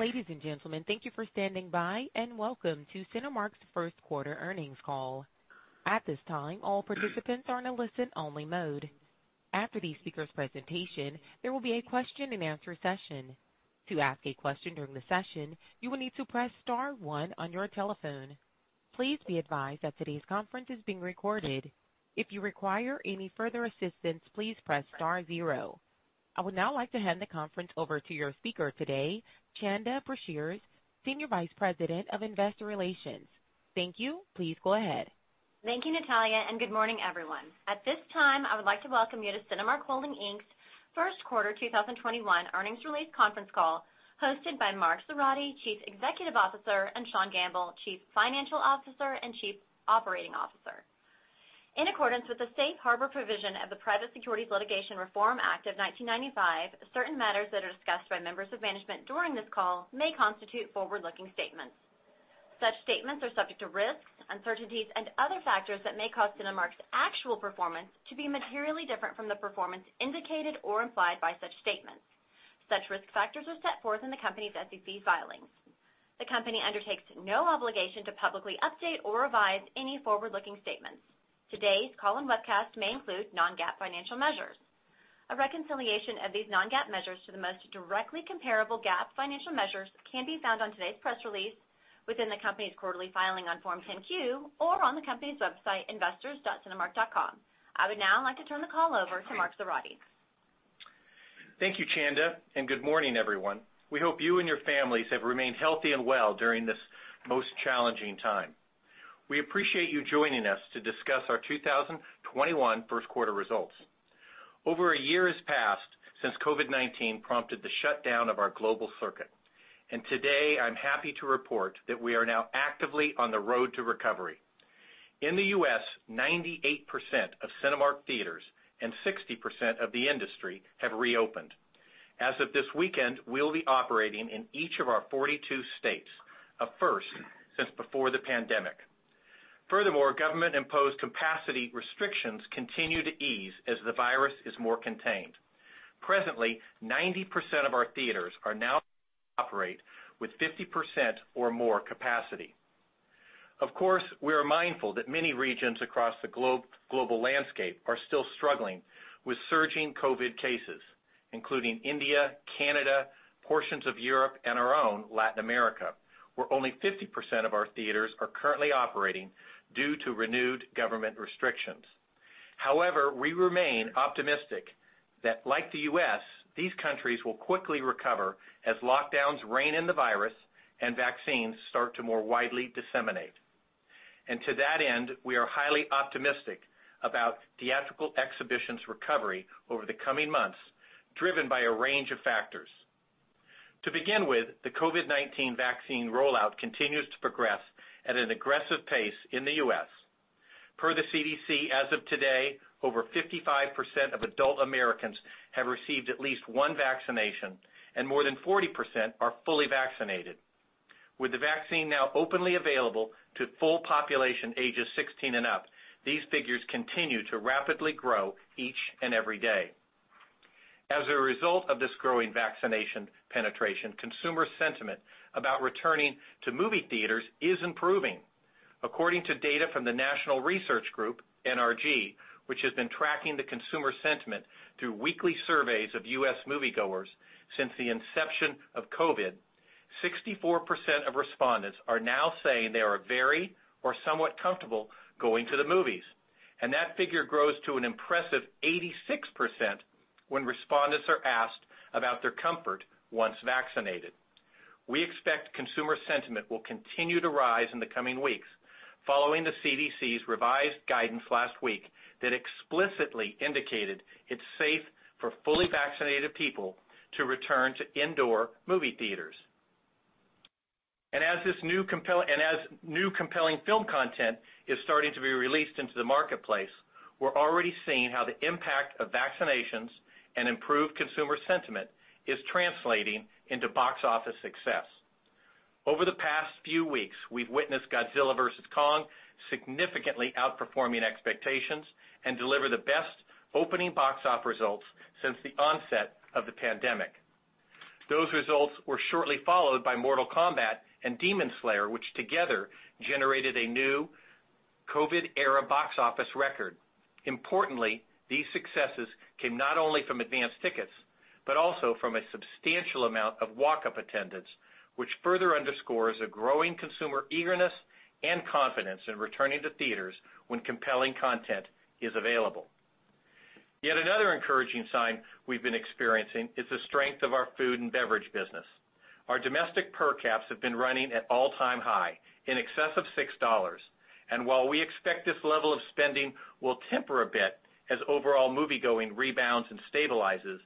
Ladies and gentlemen, thank you for standing by, and welcome to Cinemark's first quarter earnings call. At this time all participants are on listen-only mode. After the speakers presentation, there will be a question-and-answer session. To ask a question during the session, you will need to press star one on your telephone. Please be advise that today's conference is being recorded. If you require any further assistance, please press star zero. I would now like to hand the conference over to your speaker today, Chanda Brashears, Senior Vice President of Investor Relations. Thank you. Please go ahead. Thank you, Natalia, and good morning, everyone. At this time, I would like to welcome you to Cinemark Holdings, Inc.'s first quarter 2021 earnings release conference call hosted by Mark Zoradi, Chief Executive Officer, and Sean Gamble, Chief Financial Officer and Chief Operating Officer. In accordance with the safe harbor provision of the Private Securities Litigation Reform Act of 1995, certain matters that are discussed by members of management during this call may constitute forward-looking statements. Such statements are subject to risks, uncertainties, and other factors that may cause Cinemark's actual performance to be materially different from the performance indicated or implied by such statements. Such risk factors are set forth in the company's SEC filings. The company undertakes no obligation to publicly update or revise any forward-looking statements. Today's call and webcast may include non-GAAP financial measures. A reconciliation of these non-GAAP measures to the most directly comparable GAAP financial measures can be found on today's press release, within the company's quarterly filing on Form 10-Q, or on the company's website, investors.cinemark.com. I would now like to turn the call over to Mark Zoradi. Thank you, Chanda. Good morning, everyone. We hope you and your families have remained healthy and well during this most challenging time. We appreciate you joining us to discuss our 2021 first quarter results. Over a year has passed since COVID-19 prompted the shutdown of our global circuit. Today I'm happy to report that we are now actively on the road to recovery. In the U.S., 98% of Cinemark theaters and 60% of the industry have reopened. As of this weekend, we'll be operating in each of our 42 states, a first since before the pandemic. Furthermore, government-imposed capacity restrictions continue to ease as the virus is more contained. Presently, 90% of our theaters are now operate with 50% or more capacity. Of course, we are mindful that many regions across the global landscape are still struggling with surging COVID-19 cases, including India, Canada, portions of Europe, and our own Latin America, where only 50% of our theaters are currently operating due to renewed government restrictions. We remain optimistic that, like the U.S., these countries will quickly recover as lockdowns rein in the virus and vaccines start to more widely disseminate. To that end, we are highly optimistic about theatrical exhibition's recovery over the coming months, driven by a range of factors. To begin with, the COVID-19 vaccine rollout continues to progress at an aggressive pace in the U.S. Per the CDC, as of today, over 55% of adult Americans have received at least one vaccination, and more than 40% are fully vaccinated. With the vaccine now openly available to full population ages 16 and up, these figures continue to rapidly grow each and every day. As a result of this growing vaccination penetration, consumer sentiment about returning to movie theaters is improving. According to data from the National Research Group, NRG, which has been tracking the consumer sentiment through weekly surveys of U.S. moviegoers since the inception of COVID, 64% of respondents are now saying they are very or somewhat comfortable going to the movies, and that figure grows to an impressive 86% when respondents are asked about their comfort once vaccinated. We expect consumer sentiment will continue to rise in the coming weeks following the CDC's revised guidance last week that explicitly indicated it's safe for fully vaccinated people to return to indoor movie theaters. As new compelling film content is starting to be released into the marketplace, we're already seeing how the impact of vaccinations and improved consumer sentiment is translating into box office success. Over the past few weeks, we've witnessed Godzilla vs. Kong significantly outperforming expectations and deliver the best opening box office results since the onset of the pandemic. Those results were shortly followed by Mortal Kombat and Demon Slayer, which together generated a new COVID-era box office record. Importantly, these successes came not only from advanced tickets, but also from a substantial amount of walk-up attendance, which further underscores a growing consumer eagerness and confidence in returning to theaters when compelling content is available. Another encouraging sign we've been experiencing is the strength of our food and beverage business. Our domestic per caps have been running at all-time high, in excess of $6. While we expect this level of spending will temper a bit as overall moviegoing rebounds and stabilizes,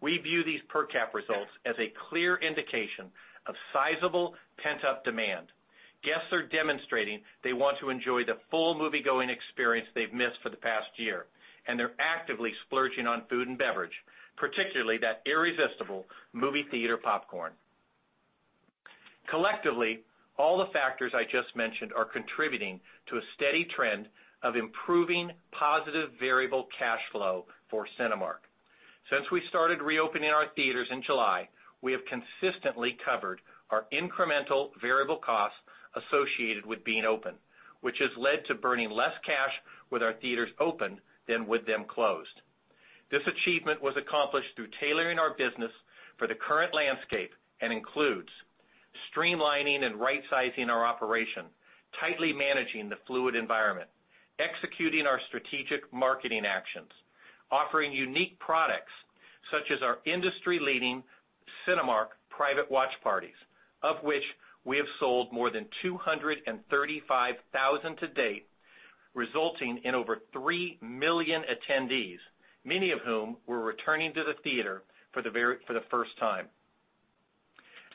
we view these per cap results as a clear indication of sizable pent-up demand. Guests are demonstrating they want to enjoy the full moviegoing experience they've missed for the past year, and they're actively splurging on food and beverage, particularly that irresistible movie theater popcorn. Collectively, all the factors I just mentioned are contributing to a steady trend of improving positive variable cash flow for Cinemark. Since we started reopening our theaters in July, we have consistently covered our incremental variable costs associated with being open, which has led to burning less cash with our theaters open than with them closed. This achievement was accomplished through tailoring our business for the current landscape and includes streamlining and right-sizing our operation, tightly managing the fluid environment, executing our strategic marketing actions, offering unique products such as our industry-leading Cinemark Private Watch Parties, of which we have sold more than 235,000 to date, resulting in over 3 million attendees, many of whom were returning to the theater for the first time.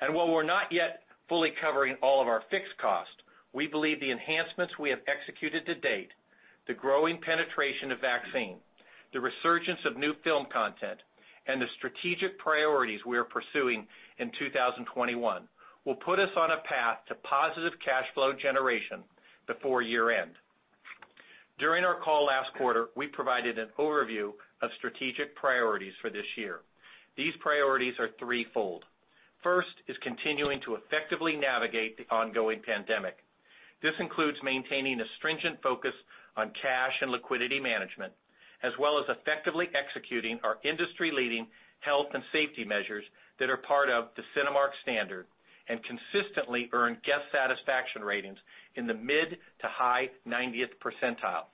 While we're not yet fully covering all of our fixed costs, we believe the enhancements we have executed to date, the growing penetration of vaccine, the resurgence of new film content, and the strategic priorities we are pursuing in 2021 will put us on a path to positive cash flow generation before year-end. During our call last quarter, we provided an overview of strategic priorities for this year. These priorities are threefold. First is continuing to effectively navigate the ongoing pandemic. This includes maintaining a stringent focus on cash and liquidity management, as well as effectively executing our industry-leading health and safety measures that are part of The Cinemark Standard and consistently earn guest satisfaction ratings in the mid to high 90th percentile.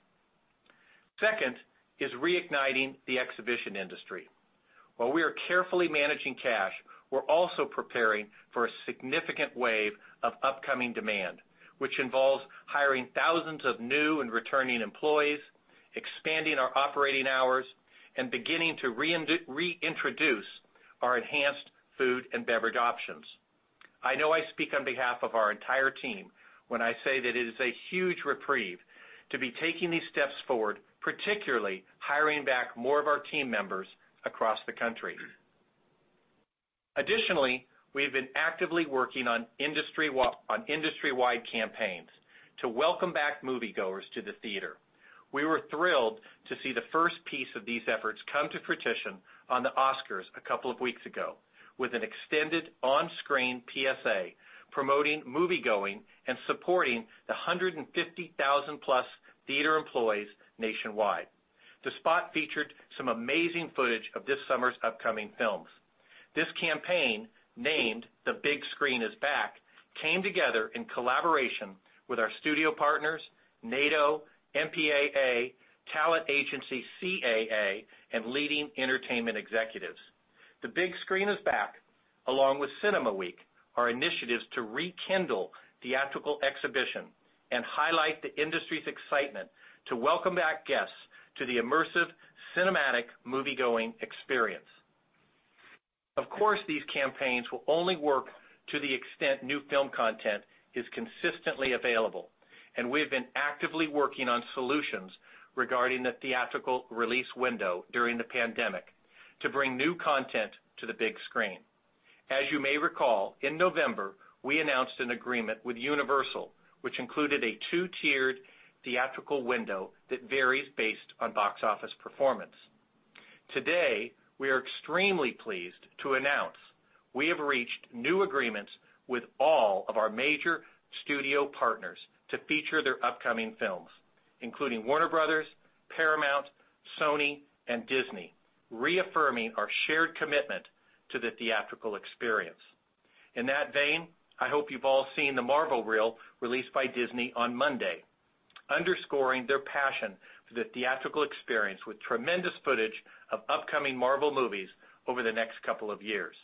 Second is reigniting the exhibition industry. While we are carefully managing cash, we're also preparing for a significant wave of upcoming demand, which involves hiring thousands of new and returning employees, expanding our operating hours, and beginning to reintroduce our enhanced food and beverage options. I know I speak on behalf of our entire team when I say that it is a huge reprieve to be taking these steps forward, particularly hiring back more of our team members across the country. Additionally, we have been actively working on industry-wide campaigns to welcome back moviegoers to the theater. We were thrilled to see the first piece of these efforts come to fruition on the Oscars a couple of weeks ago with an extended on-screen PSA promoting moviegoing and supporting the 150,000+ theater employees nationwide. The spot featured some amazing footage of this summer's upcoming films. This campaign, named The Big Screen Is Back, came together in collaboration with our studio partners, NATO, MPAA, talent agency CAA, and leading entertainment executives. The Big Screen Is Back, along with Cinema Week, are initiatives to rekindle theatrical exhibition and highlight the industry's excitement to welcome back guests to the immersive cinematic moviegoing experience. Of course, these campaigns will only work to the extent new film content is consistently available, and we have been actively working on solutions regarding the theatrical release window during the pandemic to bring new content to the big screen. As you may recall, in November, we announced an agreement with Universal, which included a two-tiered theatrical window that varies based on box office performance. Today, we are extremely pleased to announce we have reached new agreements with all of our major studio partners to feature their upcoming films, including Warner Bros., Paramount, Sony, and Disney, reaffirming our shared commitment to the theatrical experience. In that vein, I hope you've all seen the Marvel reel released by Disney on Monday, underscoring their passion for the theatrical experience with tremendous footage of upcoming Marvel movies over the next couple of years.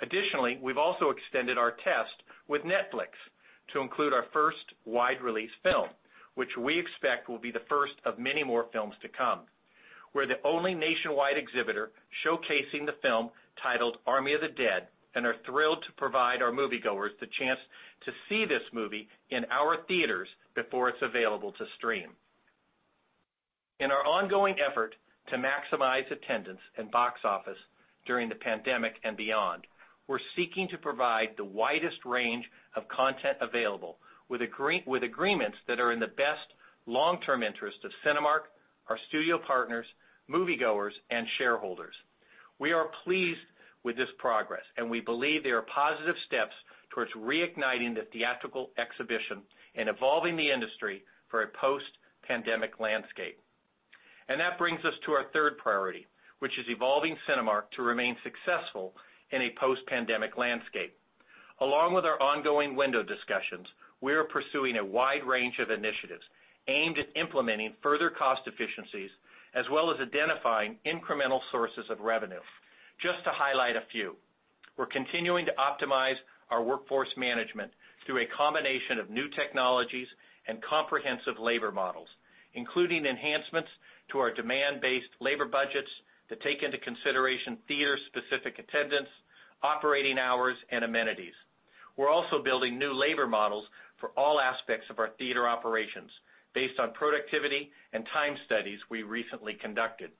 Additionally, we've also extended our test with Netflix to include our first wide-release film, which we expect will be the first of many more films to come. We're the only nationwide exhibitor showcasing the film titled Army of the Dead and are thrilled to provide our moviegoers the chance to see this movie in our theaters before it's available to stream. In our ongoing effort to maximize attendance and box office during the pandemic and beyond, we're seeking to provide the widest range of content available with agreements that are in the best long-term interest of Cinemark, our studio partners, moviegoers, and shareholders. We are pleased with this progress, we believe they are positive steps towards reigniting the theatrical exhibition and evolving the industry for a post-pandemic landscape. That brings us to our third priority, which is evolving Cinemark to remain successful in a post-pandemic landscape. Along with our ongoing window discussions, we are pursuing a wide range of initiatives aimed at implementing further cost efficiencies, as well as identifying incremental sources of revenue. Just to highlight a few, we're continuing to optimize our workforce management through a combination of new technologies and comprehensive labor models, including enhancements to our demand-based labor budgets that take into consideration theater-specific attendance, operating hours, and amenities. We're also building new labor models for all aspects of our theater operations based on productivity and time studies we recently conducted.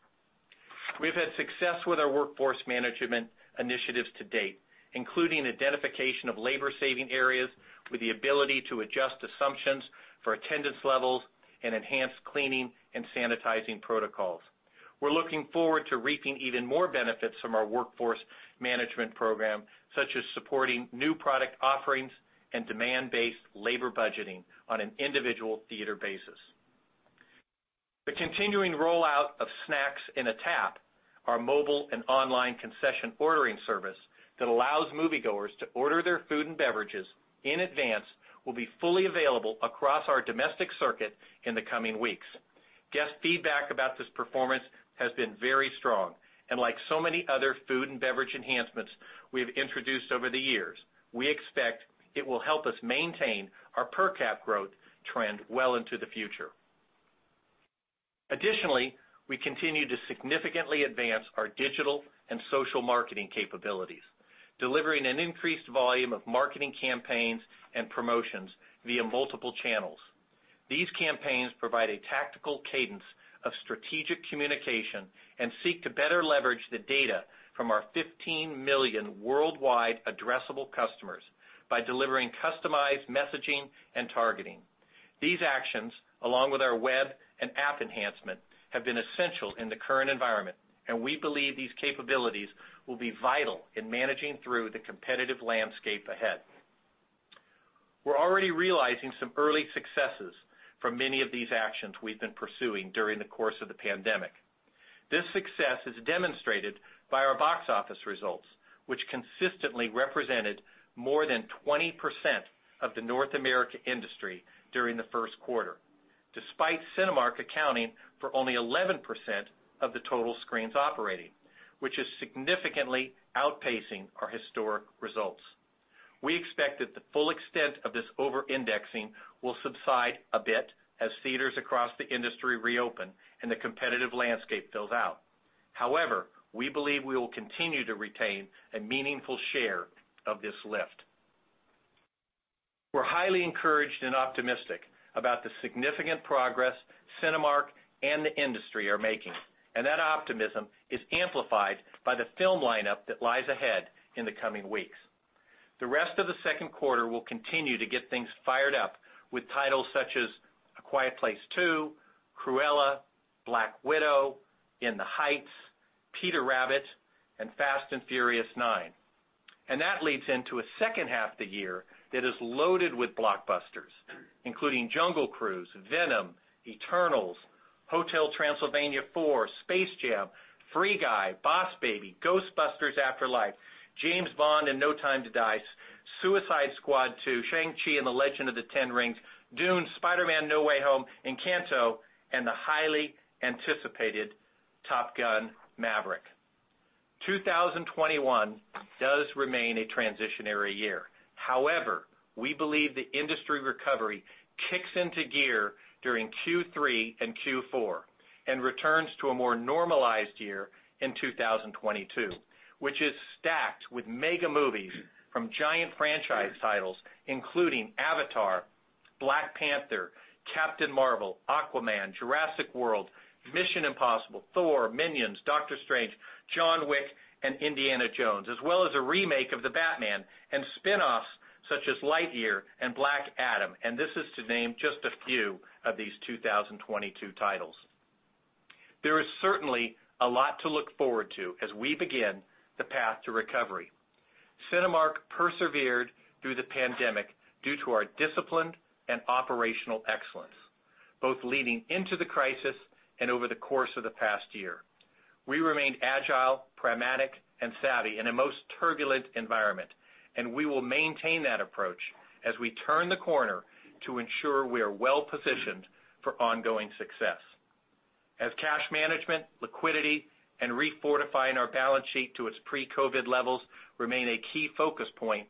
We've had success with our workforce management initiatives to date, including identification of labor-saving areas with the ability to adjust assumptions for attendance levels and enhanced cleaning and sanitizing protocols. We're looking forward to reaping even more benefits from our workforce management program, such as supporting new product offerings and demand-based labor budgeting on an individual theater basis. The continuing rollout of Snacks in a Tap, our mobile and online concession ordering service that allows moviegoers to order their food and beverages in advance, will be fully available across our domestic circuit in the coming weeks. Guest feedback about this performance has been very strong, and like so many other food and beverage enhancements we have introduced over the years, we expect it will help us maintain our per-cap growth trend well into the future. Additionally, we continue to significantly advance our digital and social marketing capabilities, delivering an increased volume of marketing campaigns and promotions via multiple channels. These campaigns provide a tactical cadence of strategic communication and seek to better leverage the data from our 15 million worldwide addressable customers by delivering customized messaging and targeting. These actions, along with our web and app enhancements, have been essential in the current environment. We believe these capabilities will be vital in managing through the competitive landscape ahead. We're already realizing some early successes from many of these actions we've been pursuing during the course of the pandemic. This success is demonstrated by our box office results, which consistently represented more than 20% of the North America industry during the first quarter, despite Cinemark accounting for only 11% of the total screens operating, which is significantly outpacing our historic results. We expect that the full extent of this over-indexing will subside a bit as theaters across the industry reopen and the competitive landscape builds out. However, we believe we will continue to retain a meaningful share of this lift. We're highly encouraged and optimistic about the significant progress Cinemark and the industry are making, that optimism is amplified by the film lineup that lies ahead in the coming weeks. The rest of the second quarter will continue to get things fired up with titles such as A Quiet Place 2, Cruella, Black Widow, In the Heights, Peter Rabbit, and Fast & Furious 9. That leads into a second half of the year that is loaded with blockbusters, including Jungle Cruise, Venom, Eternals, Hotel Transylvania 4, Space Jam, Free Guy, Boss Baby, Ghostbusters: Afterlife, James Bond: No Time to Die, Suicide Squad 2, Shang-Chi and the Legend of the Ten Rings, Dune, Spider-Man: No Way Home, Encanto, and the highly anticipated Top Gun: Maverick. 2021 does remain a transitionary year. However, we believe the industry recovery kicks into gear during Q3 and Q4 and returns to a more normalized year in 2022, which is stacked with mega movies from giant franchise titles, including Avatar, Black Panther, Captain Marvel, Aquaman, Jurassic World, Mission: Impossible, Thor, Minions, Doctor Strange, John Wick, and Indiana Jones, as well as a remake of The Batman and spin-offs such as Lightyear and Black Adam. This is to name just a few of these 2022 titles. There is certainly a lot to look forward to as we begin the path to recovery. Cinemark persevered through the pandemic due to our discipline and operational excellence, both leading into the crisis and over the course of the past year. We remain agile, pragmatic, and savvy in a most turbulent environment, and we will maintain that approach as we turn the corner to ensure we are well-positioned for ongoing success. As cash management, liquidity, and refortifying our balance sheet to its pre-COVID levels remain a key focus point,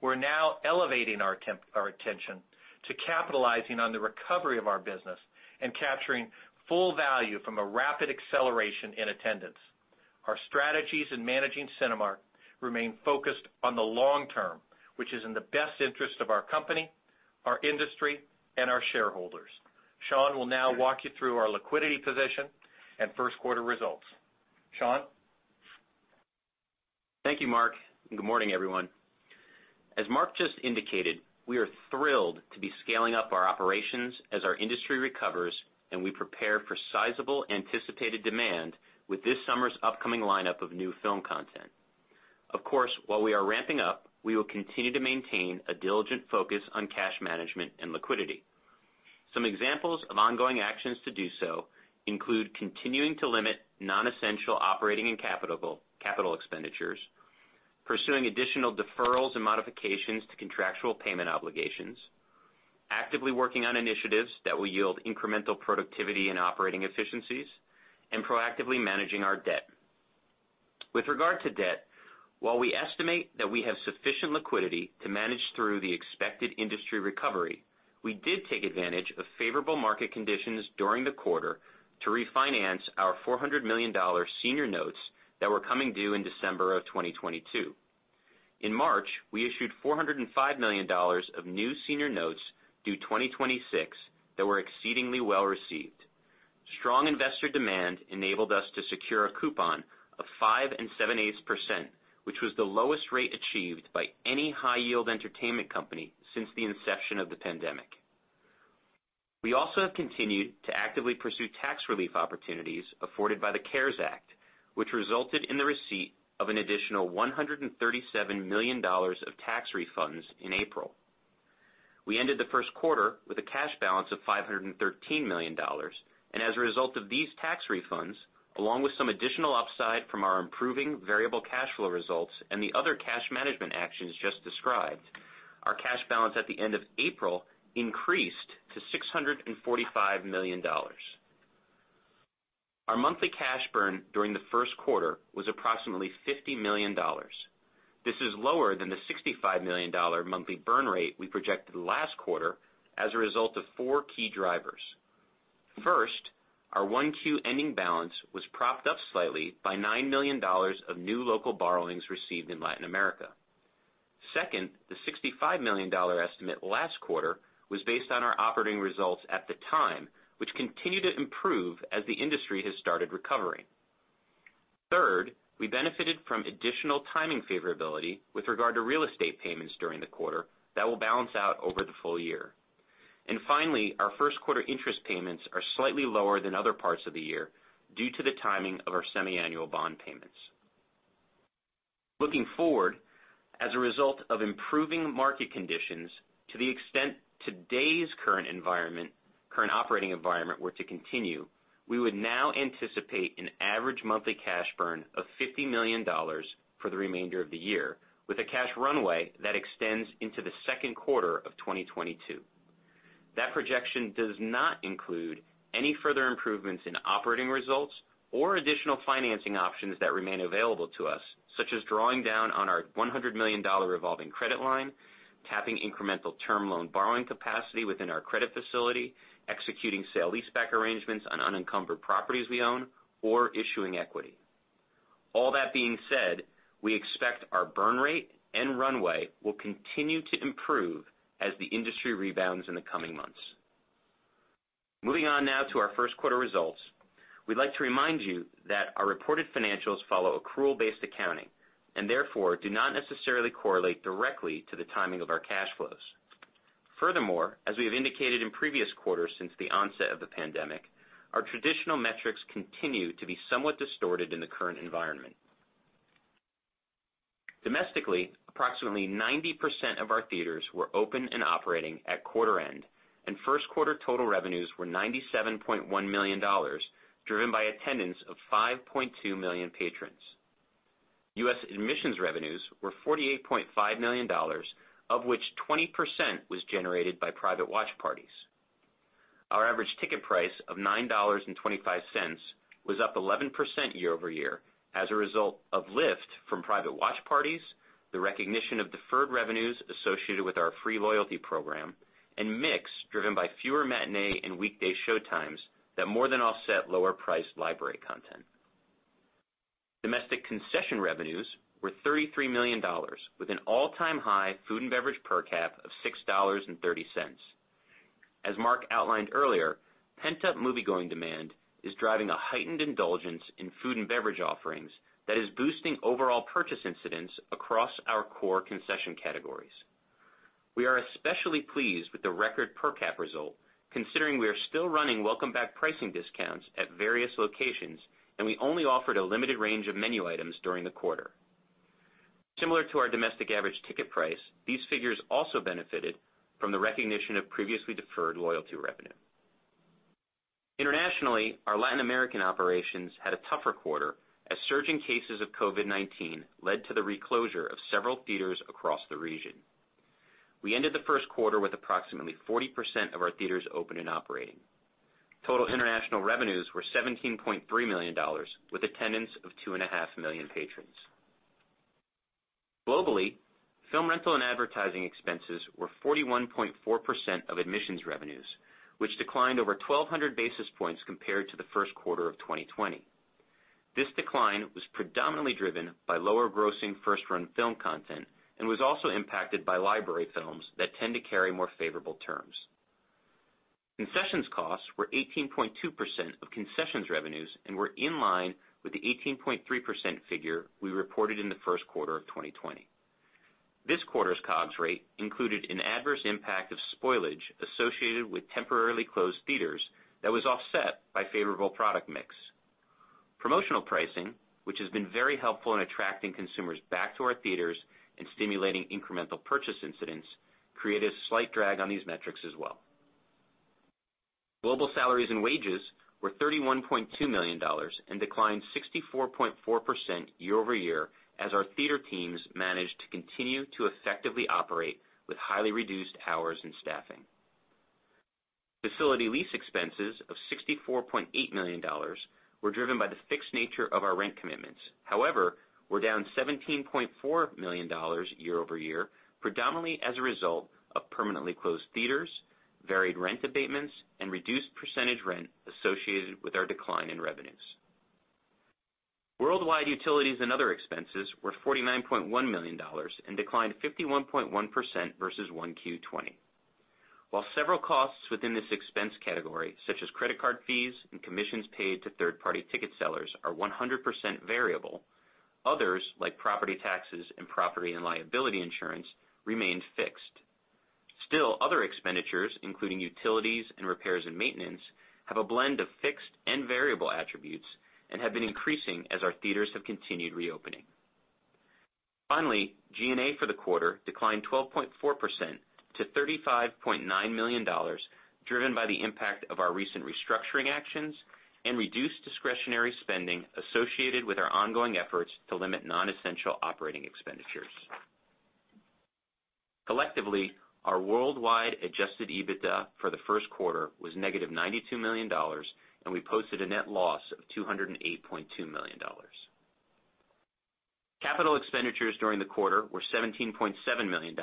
we're now elevating our attention to capitalizing on the recovery of our business and capturing full value from a rapid acceleration in attendance. Our strategies in managing Cinemark remain focused on the long term, which is in the best interest of our company, our industry, and our shareholders. Sean will now walk you through our liquidity position and first quarter results. Sean? Thank you, Mark. Good morning, everyone. As Mark just indicated, we are thrilled to be scaling up our operations as our industry recovers and we prepare for sizable anticipated demand with this summer's upcoming lineup of new film content. Of course, while we are ramping up, we will continue to maintain a diligent focus on cash management and liquidity. Some examples of ongoing actions to do so include continuing to limit non-essential operating and capital expenditures, pursuing additional deferrals and modifications to contractual payment obligations, actively working on initiatives that will yield incremental productivity and operating efficiencies, and proactively managing our debt. With regard to debt, while we estimate that we have sufficient liquidity to manage through the expected industry recovery, we did take advantage of favorable market conditions during the quarter to refinance our $400 million senior notes that were coming due in December of 2022. In March, we issued $405 million of new senior notes due 2026 that were exceedingly well-received. Strong investor demand enabled us to secure a coupon of 5.875%, which was the lowest rate achieved by any high-yield entertainment company since the inception of the pandemic. We also have continued to actively pursue tax relief opportunities afforded by the CARES Act, which resulted in the receipt of an additional $137 million of tax refunds in April. We ended the first quarter with a cash balance of $513 million. As a result of these tax refunds, along with some additional upside from our improving variable cash flow results and the other cash management actions just described, our cash balance at the end of April increased to $645 million. Our monthly cash burn during the first quarter was approximately $50 million. This is lower than the $65 million monthly burn rate we projected last quarter as a result of four key drivers. First, our 1Q ending balance was propped up slightly by $9 million of new local borrowings received in Latin America. Second, the $65 million estimate last quarter was based on our operating results at the time, which continue to improve as the industry has started recovering. Third, we benefited from additional timing favorability with regard to real estate payments during the quarter that will balance out over the full year. Finally, our first quarter interest payments are slightly lower than other parts of the year due to the timing of our semi-annual bond payments. Looking forward, as a result of improving market conditions, to the extent today's current operating environment were to continue, we would now anticipate an average monthly cash burn of $50 million for the remainder of the year, with a cash runway that extends into the second quarter of 2022. That projection does not include any further improvements in operating results or additional financing options that remain available to us, such as drawing down on our $100 million revolving credit line, tapping incremental term loan borrowing capacity within our credit facility, executing sale leaseback arrangements on unencumbered properties we own, or issuing equity. All that being said, we expect our burn rate and runway will continue to improve as the industry rebounds in the coming months. Moving on now to our first quarter results. We'd like to remind you that our reported financials follow accrual-based accounting, and therefore, do not necessarily correlate directly to the timing of our cash flows. Furthermore, as we have indicated in previous quarters since the onset of the pandemic, our traditional metrics continue to be somewhat distorted in the current environment. Domestically, approximately 90% of our theaters were open and operating at quarter end, and first quarter total revenues were $97.1 million, driven by attendance of 5.2 million patrons. U.S. admissions revenues were $48.5 million, of which 20% was generated by Private Watch Parties. Our average ticket price of $9.25 was up 11% year-over-year as a result of lift from Private Watch Parties, the recognition of deferred revenues associated with our free loyalty program, and mix driven by fewer matinee and weekday showtimes that more than offset lower priced library content. Domestic concession revenues were $33 million with an all-time high food and beverage per cap of $6.30. As Mark outlined earlier, pent-up moviegoing demand is driving a heightened indulgence in food and beverage offerings that is boosting overall purchase incidents across our core concession categories. We are especially pleased with the record per cap result, considering we are still running welcome back pricing discounts at various locations, and we only offered a limited range of menu items during the quarter. Similar to our domestic average ticket price, these figures also benefited from the recognition of previously deferred loyalty revenue. Internationally, our Latin American operations had a tougher quarter as surging cases of COVID-19 led to the reclosure of several theaters across the region. We ended the first quarter with approximately 40% of our theaters open and operating. Total international revenues were $17.3 million, with attendance of 2.5 million patrons. Globally, film rental and advertising expenses were 41.4% of admissions revenues, which declined over 1,200 basis points compared to the first quarter of 2020. This decline was predominantly driven by lower grossing first-run film content and was also impacted by library films that tend to carry more favorable terms. Concessions costs were 18.2% of concessions revenues and were in line with the 18.3% figure we reported in the first quarter of 2020. This quarter's COGS rate included an adverse impact of spoilage associated with temporarily closed theaters that was offset by favorable product mix. Promotional pricing, which has been very helpful in attracting consumers back to our theaters and stimulating incremental purchase incidents, created a slight drag on these metrics as well. Global salaries and wages were $31.2 million and declined 64.4% year-over-year as our theater teams managed to continue to effectively operate with highly reduced hours and staffing. Facility lease expenses of $64.8 million were driven by the fixed nature of our rent commitments. However, we're down $17.4 million year-over-year, predominantly as a result of permanently closed theaters, varied rent abatements and reduced percentage rent associated with our decline in revenues. Worldwide utilities and other expenses were $49.1 million and declined 51.1% versus 1Q 2020. While several costs within this expense category, such as credit card fees and commissions paid to third-party ticket sellers, are 100% variable, others, like property taxes and property and liability insurance, remained fixed. Still other expenditures, including utilities and repairs and maintenance, have a blend of fixed and variable attributes and have been increasing as our theaters have continued reopening. Finally, G&A for the quarter declined 12.4% to $35.9 million, driven by the impact of our recent restructuring actions and reduced discretionary spending associated with our ongoing efforts to limit non-essential operating expenditures. Collectively, our worldwide adjusted EBITDA for the first quarter was negative $92 million, and we posted a net loss of $208.2 million. Capital expenditures during the quarter were $17.7 million,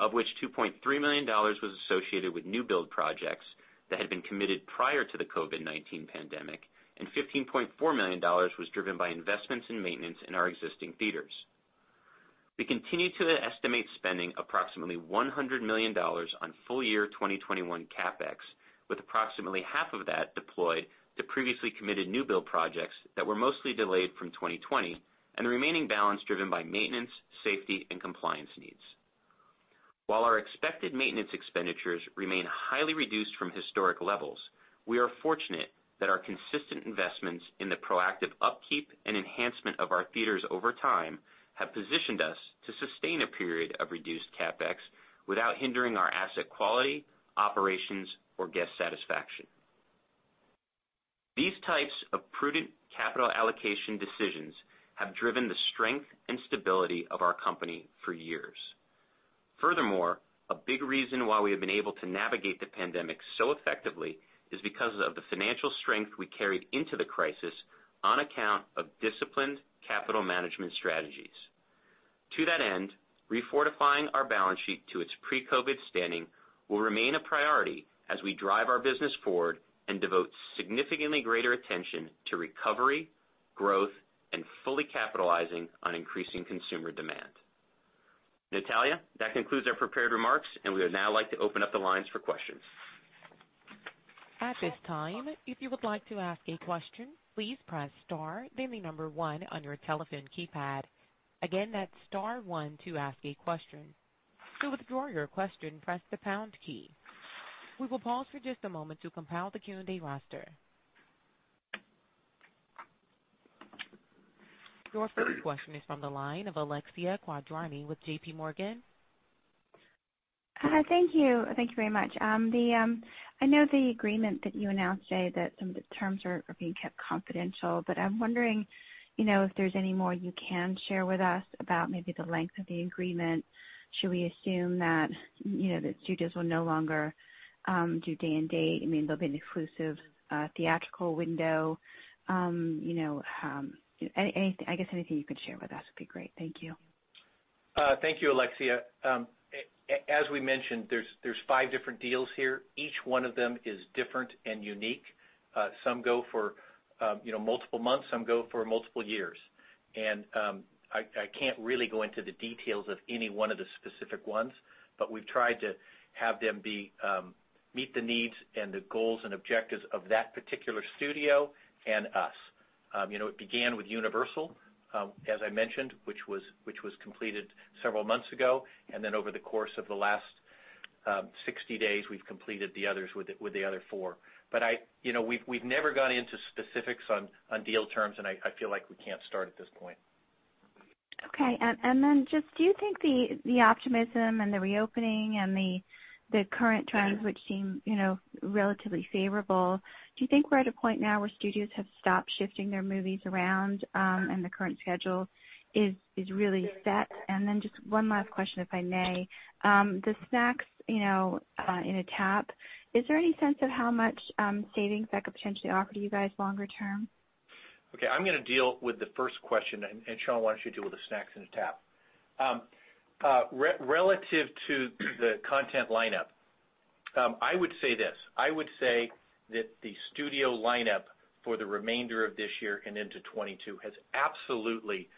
of which $2.3 million was associated with new build projects that had been committed prior to the COVID-19 pandemic, and $15.4 million was driven by investments in maintenance in our existing theaters. We continue to estimate spending approximately $100 million on full-year 2021 CapEx, with approximately half of that deployed to previously committed new build projects that were mostly delayed from 2020, and the remaining balance driven by maintenance, safety, and compliance needs. While our expected maintenance expenditures remain highly reduced from historic levels, we are fortunate that our consistent investments in the proactive upkeep and enhancement of our theaters over time have positioned us to sustain a period of reduced CapEx without hindering our asset quality, operations, or guest satisfaction. These types of prudent capital allocation decisions have driven the strength and stability of our company for years. Furthermore, a big reason why we have been able to navigate the pandemic so effectively is because of the financial strength we carried into the crisis on account of disciplined capital management strategies. To that end, refortifying our balance sheet to its pre-COVID-19 standing will remain a priority as we drive our business forward and devote significantly greater attention to recovery, growth, and fully capitalizing on increasing consumer demand. Natalia, that concludes our prepared remarks, and we would now like to open up the lines for questions. At this time if you would like to ask a question please press star then the number one on your telephone keypad. Again, that is star one to ask a question. To withdraw your question, press the pound key. We will pause for just a moment to compile the Q&A roster. Your first question is from the line of Alexia Quadrani with JPMorgan. Hi. Thank you. Thank you very much. I know the agreement that you announced today that some of the terms are being kept confidential, but I'm wondering if there's any more you can share with us about maybe the length of the agreement. Should we assume that the studios will no longer do day and date? There'll be an inclusive theatrical window. I guess anything you can share with us would be great. Thank you. Thank you, Alexia. As we mentioned, there's five different deals here. Each one of them is different and unique. Some go for multiple months, some go for multiple years. I can't really go into the details of any one of the specific ones, but we've tried to have them meet the needs and the goals and objectives of that particular studio and us. It began with Universal, as I mentioned, which was completed several months ago, and then over the course of the last 60 days, we've completed the others with the other four. We've never gone into specifics on deal terms, and I feel like we can't start at this point. Okay. Just do you think the optimism and the reopening and the current trends, which seem relatively favorable, do you think we're at a point now where studios have stopped shifting their movies around, and the current schedule is really set? Just one last question, if I may. The Snacks in a Tap, is there any sense of how much savings that could potentially offer you guys longer term? Okay. I'm going to deal with the first question, and Sean, why don't you deal with the Snacks in a Tap? Relative to the content lineup, I would say this. I would say that the studio lineup for the remainder of this year and into 2022 has absolutely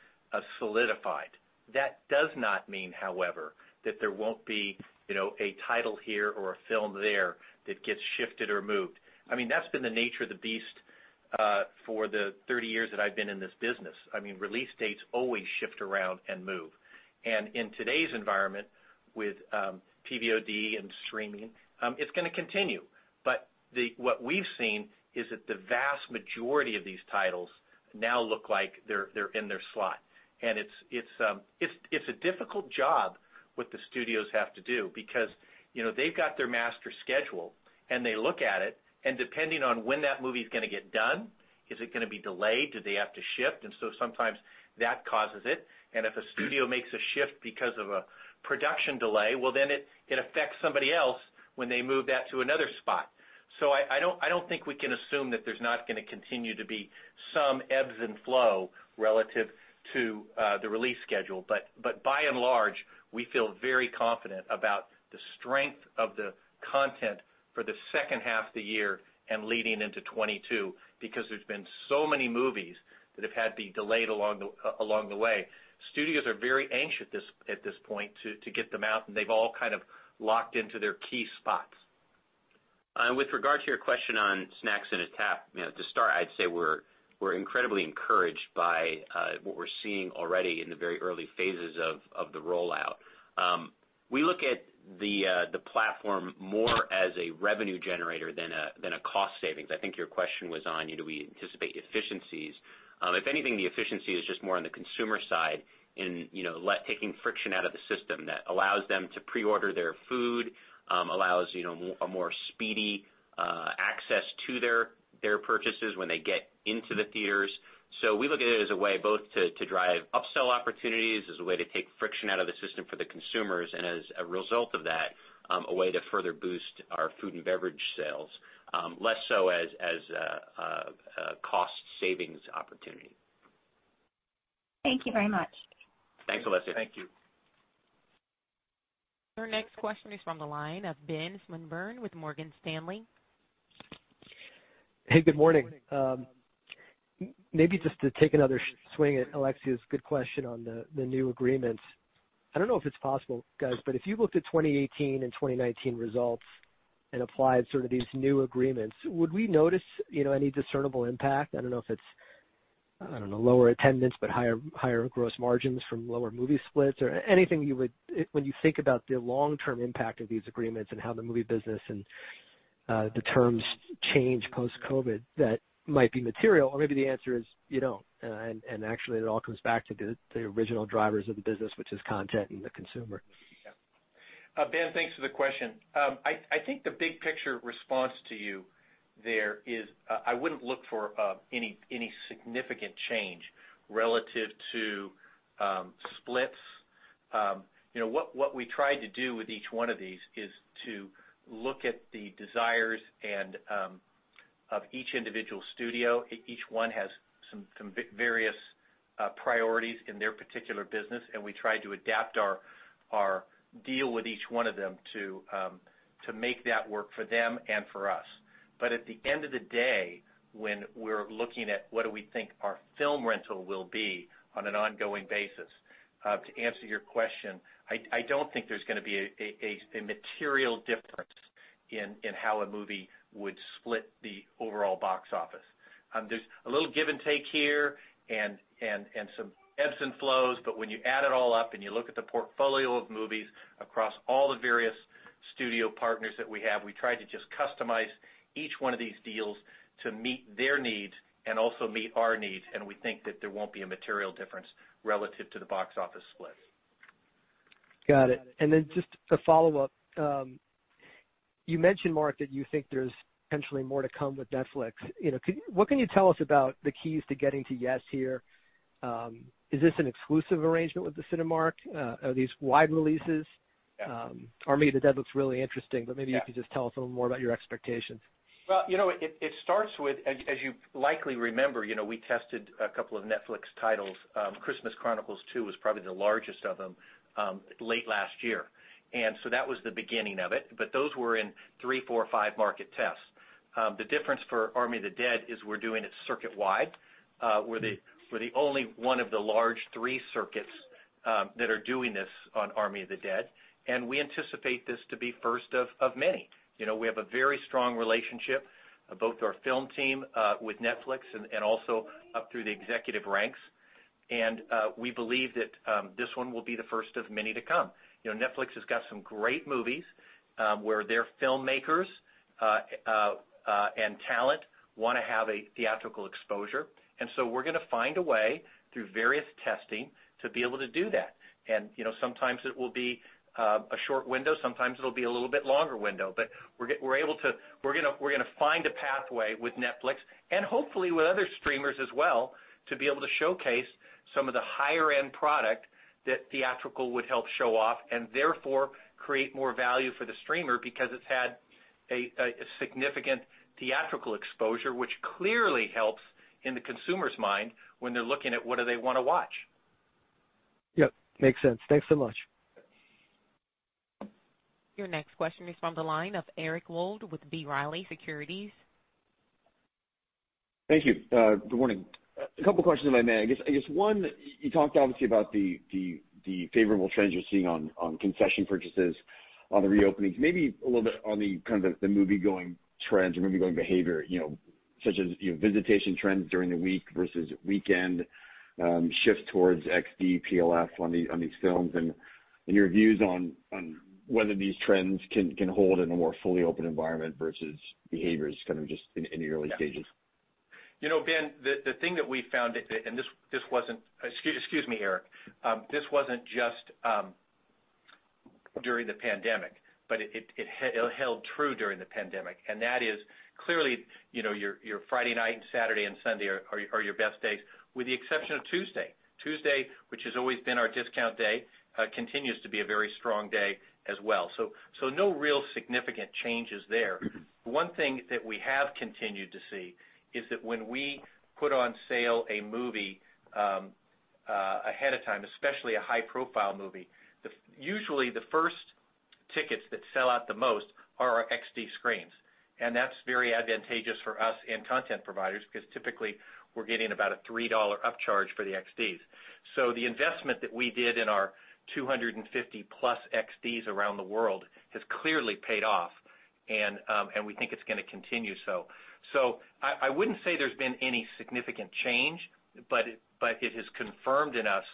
solidified. That does not mean, however, that there won't be a title here or a film there that gets shifted or moved. That's been the nature of the beast for the 30 years that I've been in this business. Release dates always shift around and move. In today's environment with PVOD and streaming, it's going to continue. What we've seen is that the vast majority of these titles now look like they're in their slot. It's a difficult job what the studios have to do because they've got their master schedule, and they look at it, and depending on when that movie's going to get done, is it going to be delayed? Do they have to shift? Sometimes that causes it. If a studio makes a shift because of a production delay, well, then it affects somebody else when they move that to another spot. I don't think we can assume that there's not going to continue to be some ebbs and flow relative to the release schedule. By and large, we feel very confident about the strength of the content for the second half of the year and leading into 2022, because there's been so many movies that have had to be delayed along the way. Studios are very anxious at this point to get them out, and they've all kind of locked into their key spots. With regard to your question on Snacks in a Tap, to start, I'd say we're incredibly encouraged by what we're seeing already in the very early phases of the rollout. We look at the platform more as a revenue generator than a cost savings. I think your question was on, do we anticipate efficiencies? If anything, the efficiency is just more on the consumer side in taking friction out of the system that allows them to pre-order their food, allows a more speedy access to their purchases when they get into the theaters. We look at it as a way both to drive upsell opportunities, as a way to take friction out of the system for the consumers, and as a result of that, a way to further boost our food and beverage sales. Less so as a cost savings opportunity. Thank you very much. Thanks, Alexia. Thank you. Your next question is from the line of Ben Swinburne with Morgan Stanley. Hey, good morning. Maybe just to take another swing at Alexia's good question on the new agreements. I don't know if it's possible, guys, but if you looked at 2018 and 2019 results and applied sort of these new agreements, would we notice any discernible impact? I don't know if it's lower attendance, but higher gross margins from lower movie splits or anything you would, when you think about the long-term impact of these agreements and how the movie business and the terms change post-COVID that might be material. Maybe the answer is you don't, and actually it all comes back to the original drivers of the business, which is content and the consumer. Yeah. Ben, thanks for the question. I think the big picture response to you there is, I wouldn't look for any significant change relative to splits. What we tried to do with each one of these is to look at the desires of each individual studio. Each one has some various priorities in their particular business. We try to adapt our deal with each one of them to make that work for them and for us. At the end of the day, when we're looking at what do we think our film rental will be on an ongoing basis, to answer your question, I don't think there's going to be a material difference in how a movie would split the overall box office. There's a little give and take here and some ebbs and flows, but when you add it all up and you look at the portfolio of movies across all the various studio partners that we have, we try to just customize each one of these deals to meet their needs and also meet our needs, and we think that there won't be a material difference relative to the box office split. Got it. Just a follow-up. You mentioned, Mark, that you think there's potentially more to come with Netflix. What can you tell us about the keys to getting to yes here? Is this an exclusive arrangement with Cinemark? Are these wide releases? Yeah. Army of the Dead looks really interesting. Yeah. Maybe you could just tell us a little more about your expectations. It starts with, as you likely remember, we tested a couple of Netflix titles. Christmas Chronicles 2 was probably the largest of them late last year. That was the beginning of it. Those were in three, four, or five market tests. The difference for Army of the Dead is we're doing it circuit-wide. We're the only one of the large three circuits that are doing this on Army of the Dead, and we anticipate this to be first of many. We have a very strong relationship, both our film team with Netflix and also up through the executive ranks. We believe that this one will be the first of many to come. Netflix has got some great movies where their filmmakers and talent want to have a theatrical exposure. We're going to find a way through various testing to be able to do that. Sometimes it will be a short window, sometimes it'll be a little bit longer window. We're going to find a pathway with Netflix and hopefully with other streamers as well, to be able to showcase some of the higher-end product that theatrical would help show off, and therefore create more value for the streamer because it's had a significant theatrical exposure, which clearly helps in the consumer's mind when they're looking at what do they want to watch. Yep, makes sense. Thanks so much. Your next question is from the line of Eric Wold with B. Riley Securities. Thank you. Good morning. A couple questions, if I may. I guess one, you talked obviously about the favorable trends you are seeing on concession purchases, on the reopenings. Maybe a little bit on the kind of the moviegoing trends or moviegoing behavior such as visitation trends during the week versus weekend, shifts towards XD, PLF on these films, and your views on whether these trends can hold in a more fully open environment versus behaviors kind of just in the early stages. You know, Ben, the thing that we found, Excuse me, Eric. This wasn't just During the pandemic, it held true during the pandemic, that is clearly, your Friday night and Saturday and Sunday are your best days, with the exception of Tuesday. Tuesday, which has always been our discount day, continues to be a very strong day as well. No real significant changes there. One thing that we have continued to see is that when we put on sale a movie ahead of time, especially a high-profile movie, usually the first tickets that sell out the most are our XD screens. That's very advantageous for us and content providers, because typically we're getting about a $3 upcharge for the XDs. The investment that we did in our 250+ XDs around the world has clearly paid off, and we think it's going to continue so. I wouldn't say there's been any significant change, but it has confirmed in us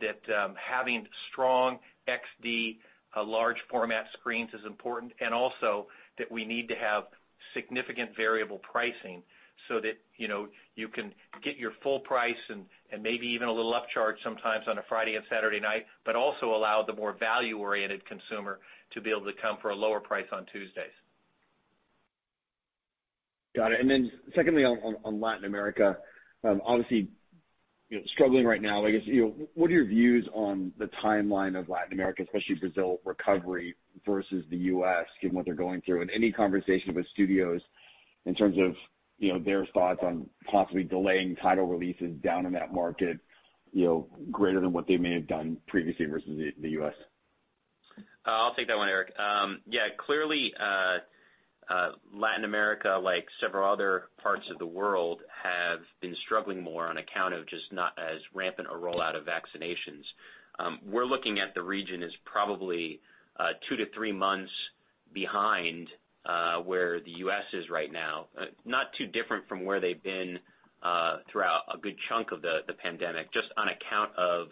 that having strong XD, large format screens is important, and also that we need to have significant variable pricing so that you can get your full price and maybe even a little upcharge sometimes on a Friday and Saturday night, but also allow the more value-oriented consumer to be able to come for a lower price on Tuesdays. Got it. Secondly, on Latin America. Obviously, struggling right now, I guess. What are your views on the timeline of Latin America, especially Brazil recovery versus the U.S., given what they're going through? Any conversations with studios in terms of their thoughts on possibly delaying title releases down in that market, greater than what they may have done previously versus the U.S.? I'll take that one, Eric. Yeah, clearly, Latin America, like several other parts of the world, have been struggling more on account of just not as rampant a rollout of vaccinations. We're looking at the region as probably two to three months behind where the U.S. is right now. Not too different from where they've been throughout a good chunk of the pandemic, just on account of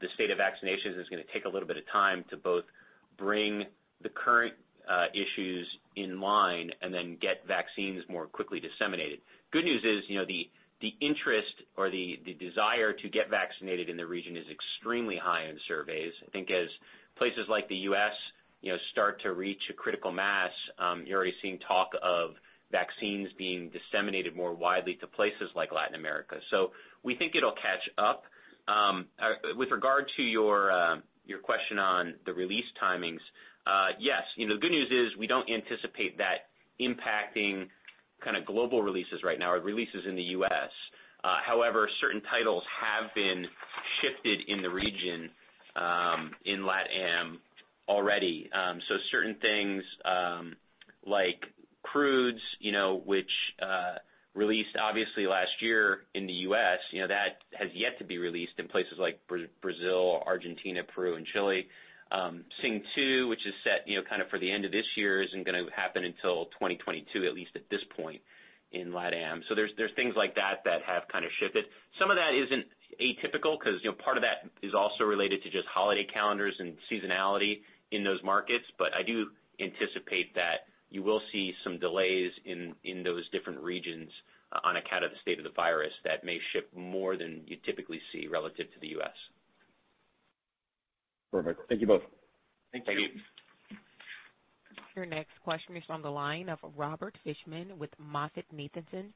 the state of vaccinations is going to take a little bit of time to both bring the current issues in line and then get vaccines more quickly disseminated. Good news is, the interest or the desire to get vaccinated in the region is extremely high in surveys. I think as places like the U.S. start to reach a critical mass, you're already seeing talk of vaccines being disseminated more widely to places like Latin America. We think it'll catch up. With regard to your question on the release timings, yes. The good news is we don't anticipate that impacting global releases right now or releases in the U.S. Certain titles have been shifted in the region, in LATAM already. Certain things like The Croods, which released obviously last year in the U.S., that has yet to be released in places like Brazil, Argentina, Peru, and Chile. Sing 2, which is set for the end of this year, isn't going to happen until 2022, at least at this point in LATAM. There's things like that that have shifted. Some of that isn't atypical because part of that is also related to just holiday calendars and seasonality in those markets. I do anticipate that you will see some delays in those different regions on account of the state of the virus that may shift more than you typically see relative to the U.S. Perfect. Thank you both. Thank you. Thank you. Your next question is on the line of Robert Fishman with MoffettNathanson.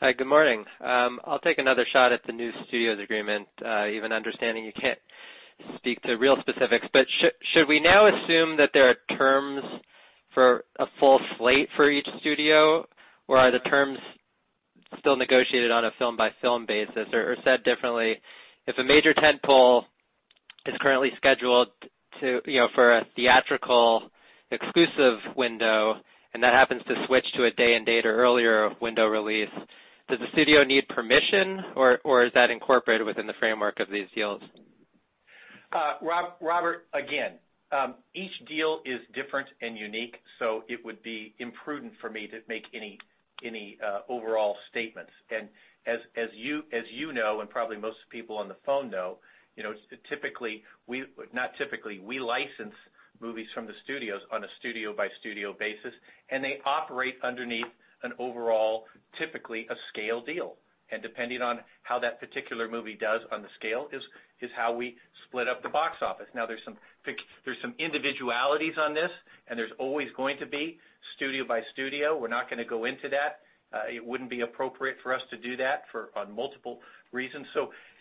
Hi, good morning. I'll take another shot at the new studios agreement, even understanding you can't speak to real specifics. Should we now assume that there are terms for a full slate for each studio? Are the terms still negotiated on a film-by-film basis? Said differently, if a major tent pole is currently scheduled for a theatrical exclusive window and that happens to switch to a day-and-dater earlier window release, does the studio need permission, or is that incorporated within the framework of these deals? Robert, again, each deal is different and unique, so it would be imprudent for me to make any overall statements. As you know, and probably most people on the phone know, we license movies from the studios on a studio-by-studio basis, and they operate underneath an overall, typically, a scale deal. Depending on how that particular movie does on the scale is how we split up the box office. Now, there's some individualities on this, and there's always going to be studio-by-studio. We're not going to go into that. It wouldn't be appropriate for us to do that for multiple reasons.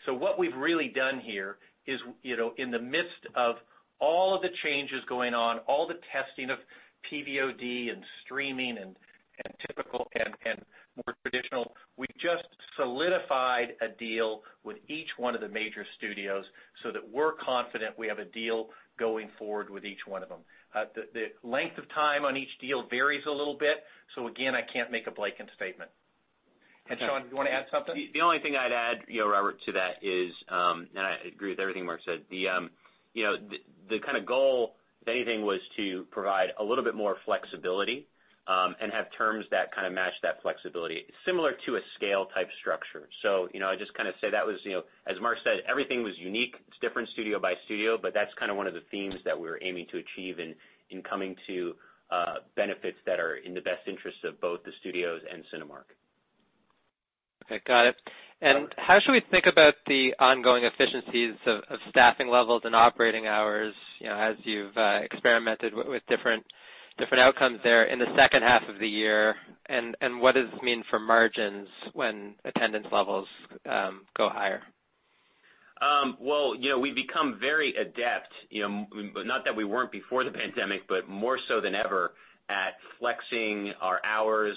What we've really done here is in the midst of all of the changes going on, all the testing of PVOD and streaming and typical and more traditional, we just solidified a deal with each one of the major studios so that we're confident we have a deal going forward with each one of them. The length of time on each deal varies a little bit, so again, I can't make a blanket statement. Sean, do you want to add something? The only thing I'd add, Robert, to that is, and I agree with everything Mark said, the goal, if anything, was to provide a little bit more flexibility and have terms that match that flexibility, similar to a scale-type structure. I just kind of say that was, as Mark said, everything was unique. It's different studio-by-studio, but that's one of the themes that we were aiming to achieve in coming to benefits that are in the best interest of both the studios and Cinemark. Okay, got it. How should we think about the ongoing efficiencies of staffing levels and operating hours, as you've experimented with different outcomes there in the second half of the year, and what does this mean for margins when attendance levels go higher? We've become very adept, not that we weren't before the pandemic, but more so than ever, at flexing our hours,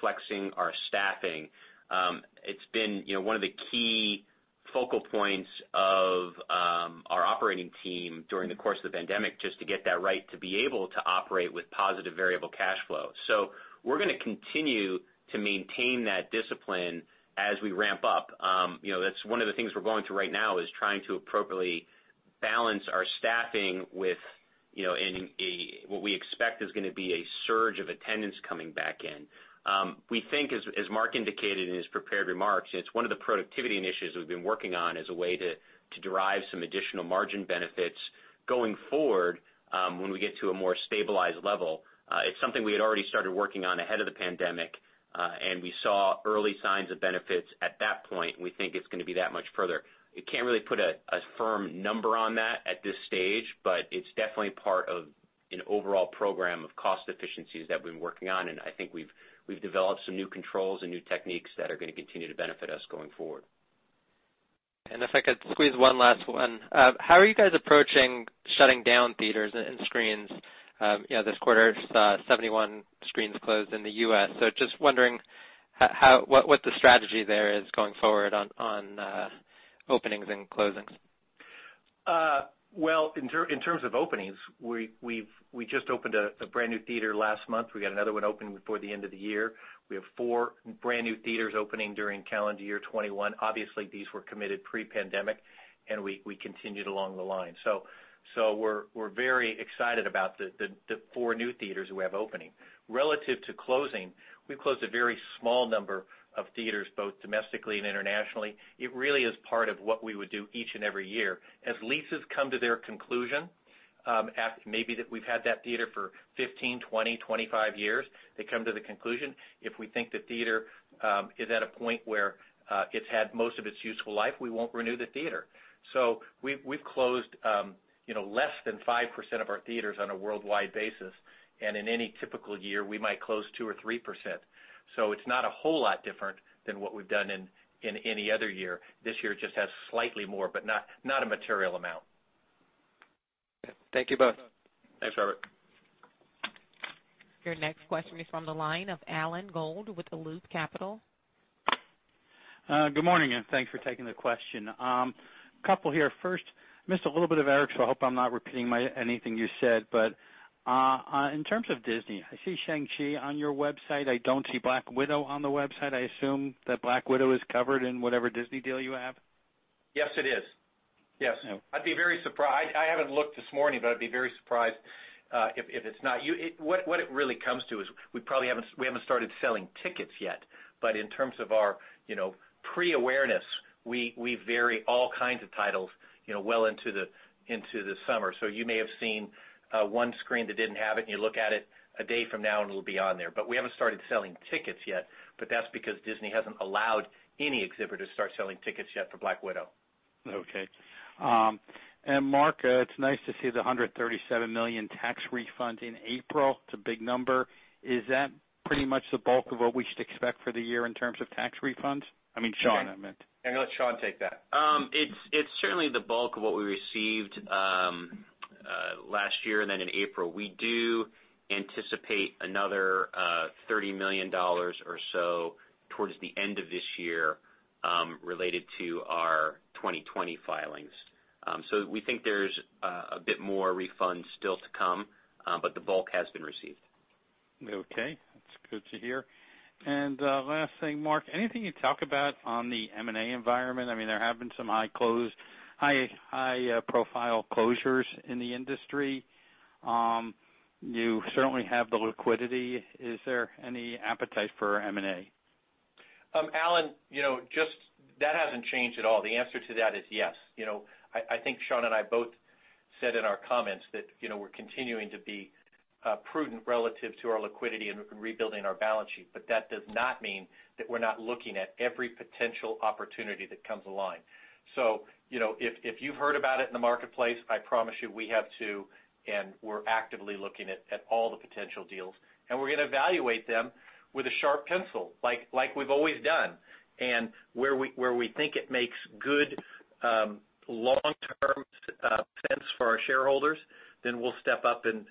flexing our staffing. It's been one of the key focal points of our operating team during the course of the pandemic, just to get that right to be able to operate with positive variable cash flow. We're going to continue to maintain that discipline as we ramp up. That's one of the things we're going through right now is trying to appropriately balance our staffing with what we expect is going to be a surge of attendance coming back in. We think, as Mark indicated in his prepared remarks, it's one of the productivity initiatives we've been working on as a way to derive some additional margin benefits going forward, when we get to a more stabilized level. It's something we had already started working on ahead of the pandemic. We saw early signs of benefits at that point. We think it's going to be that much further. We can't really put a firm number on that at this stage. It's definitely part of an overall program of cost efficiencies that we've been working on. I think we've developed some new controls and new techniques that are going to continue to benefit us going forward. If I could squeeze one last one. How are you guys approaching shutting down theaters and screens? This quarter, 71 screens closed in the U.S., just wondering what the strategy there is going forward on openings and closings. In terms of openings, we just opened a brand-new theater last month. We got another one opening before the end of the year. We have four brand-new theaters opening during calendar year 2021. Obviously, these were committed pre-pandemic, and we continued along the line. We're very excited about the four new theaters we have opening. Relative to closing, we closed a very small number of theaters, both domestically and internationally. It really is part of what we would do each and every year. As leases come to their conclusion, maybe we've had that theater for 15, 20, 25 years, they come to the conclusion, if we think the theater is at a point where it's had most of its useful life, we won't renew the theater. We've closed less than 5% of our theaters on a worldwide basis, and in any typical year, we might close 2% or 3%. It's not a whole lot different than what we've done in any other year. This year just has slightly more, but not a material amount. Thank you both. Thanks, Robert. Your next question is from the line of Alan Gould with Loop Capital. Good morning, and thanks for taking the question. Couple here. First, missed a little bit of Eric, so I hope I'm not repeating anything you said, but in terms of Disney, I see Shang-Chi on your website. I don't see Black Widow on the website. I assume that Black Widow is covered in whatever Disney deal you have? Yes, it is. Yes. I haven't looked this morning, but I'd be very surprised if it's not. What it really comes to is we haven't started selling tickets yet, but in terms of our pre-awareness, we vary all kinds of titles well into the summer. You may have seen one screen that didn't have it, and you look at it a day from now, and it'll be on there. We haven't started selling tickets yet, but that's because Disney hasn't allowed any exhibitor to start selling tickets yet for Black Widow. Okay. Mark, it's nice to see the $137 million tax refund in April. It's a big number. Is that pretty much the bulk of what we should expect for the year in terms of tax refunds? I mean Sean, I meant. I'm going to let Sean take that. It's certainly the bulk of what we received last year, and then in April. We do anticipate another $30 million or so towards the end of this year related to our 2020 filings. We think there's a bit more refunds still to come, but the bulk has been received. Okay. That's good to hear. Last thing, Mark, anything you can talk about on the M&A environment? There have been some high-profile closures in the industry. You certainly have the liquidity. Is there any appetite for M&A? Alan, that hasn't changed at all. The answer to that is yes. I think Sean and I both said in our comments that we're continuing to be prudent relative to our liquidity and rebuilding our balance sheet, that does not mean that we're not looking at every potential opportunity that comes along. If you've heard about it in the marketplace, I promise you we have too, we're actively looking at all the potential deals. We're going to evaluate them with a sharp pencil, like we've always done. Where we think it makes good long-term sense for our shareholders, we'll step up and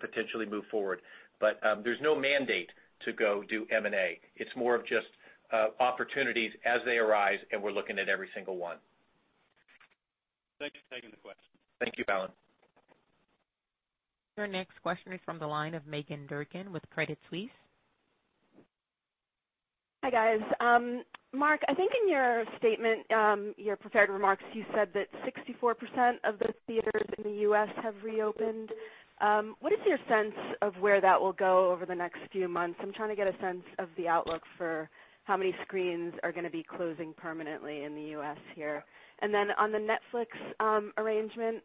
potentially move forward. There's no mandate to go do M&A. It's more of just opportunities as they arise, we're looking at every single one. Thank you for taking the question. Thank you, Alan. Your next question is from the line of Meghan Durkin with Credit Suisse. Hi, guys. Mark, I think in your statement, your prepared remarks, you said that 64% of the theaters in the U.S. have reopened. What is your sense of where that will go over the next few months? I'm trying to get a sense of the outlook for how many screens are going to be closing permanently in the U.S. here. On the Netflix arrangement,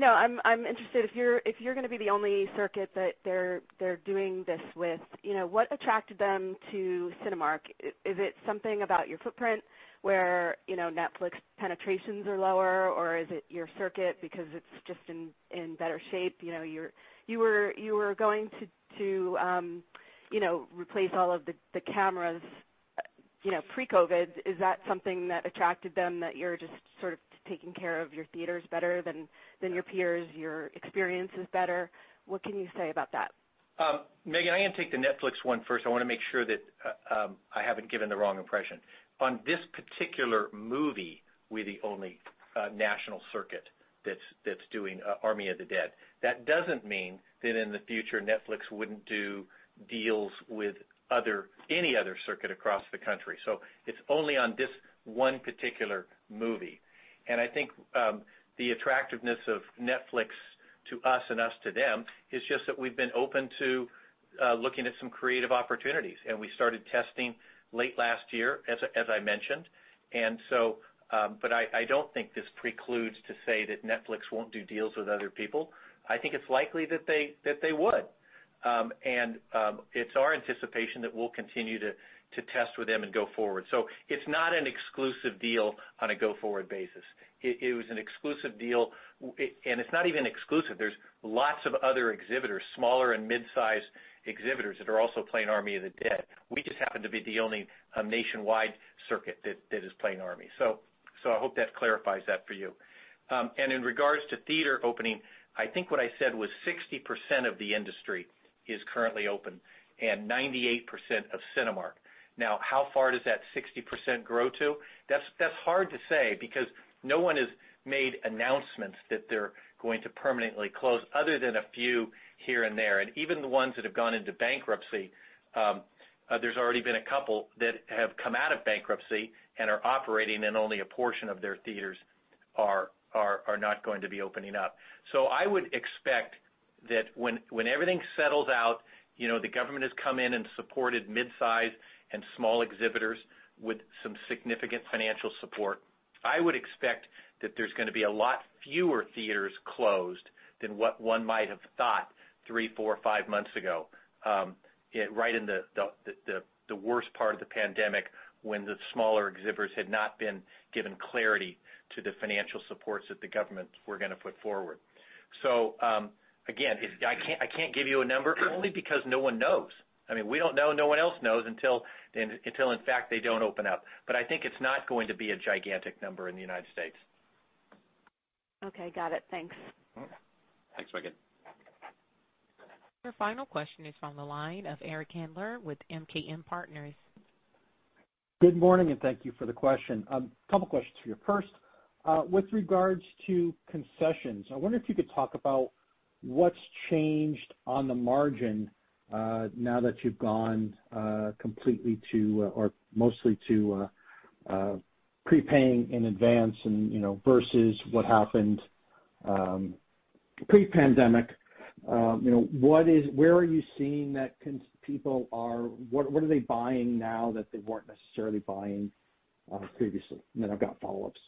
I'm interested if you're going to be the only circuit that they're doing this with, what attracted them to Cinemark? Is it something about your footprint where Netflix penetrations are lower? Is it your circuit because it's just in better shape? You were going to replace all of the cameras pre-COVID. Is that something that attracted them, that you're just sort of taking care of your theaters better than your peers, your experience is better? What can you say about that? Meghan, I'm going to take the Netflix one first. I want to make sure that I haven't given the wrong impression. On this particular movie, we're the only national circuit that's doing Army of the Dead. That doesn't mean that in the future, Netflix wouldn't do deals with any other circuit across the country. It's only on this one particular movie. I think the attractiveness of Netflix to us and us to them is just that we've been open to looking at some creative opportunities, and we started testing late last year, as I mentioned. I don't think this precludes to say that Netflix won't do deals with other people. I think it's likely that they would. It's our anticipation that we'll continue to test with them and go forward. It's not an exclusive deal on a go-forward basis. It was an exclusive deal, and it's not even exclusive. There's lots of other exhibitors, smaller and mid-size exhibitors that are also playing Army of the Dead. We just happen to be the only nationwide circuit that is playing Army. I hope that clarifies that for you. In regards to theater opening, I think what I said was 60% of the industry is currently open and 98% of Cinemark. Now, how far does that 60% grow to? That's hard to say because no one has made announcements that they're going to permanently close other than a few here and there. Even the ones that have gone into bankruptcy, there's already been a couple that have come out of bankruptcy and are operating and only a portion of their theaters are not going to be opening up. I would expect that when everything's settled out, the government has come in and supported mid-size and small exhibitors with some significant financial support. I would expect that there's going to be a lot fewer theaters closed than what one might have thought three, four, five months ago, right in the worst part of the pandemic when the smaller exhibitors had not been given clarity to the financial supports that the governments were going to put forward. Again, I can't give you a number only because no one knows. We don't know. No one else knows until, in fact, they don't open up. I think it's not going to be a gigantic number in the U.S. Okay, got it. Thanks. Thanks, Meghan. Your final question is on the line of Eric Handler with MKM Partners. Good morning. Thank you for the question. A couple questions for you. First, with regards to concessions, I wonder if you could talk about what's changed on the margin, now that you've gone completely to or mostly to, prepaying in advance and versus what happened pre-pandemic. Where are you seeing that? What are they buying now that they weren't necessarily buying previously? I've got follow-ups.